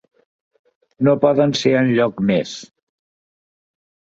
No poden ser enlloc més.